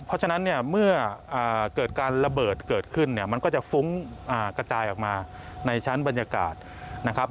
เพราะฉะนั้นเนี่ยเมื่อเกิดการระเบิดเกิดขึ้นเนี่ยมันก็จะฟุ้งกระจายออกมาในชั้นบรรยากาศนะครับ